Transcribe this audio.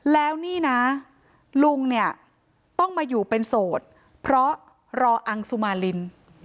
แล้วนี่นะลุงเนี่ยต้องมาอยู่เป็นโสดเพราะรออังสุมาริน